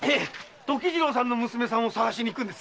時次郎さんの娘さんを捜しに行くんです。